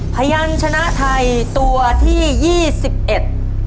พยานชนะไทยตัวที่ยี่สิบเอ็ด